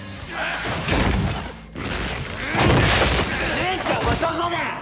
姉ちゃんはどこだ！？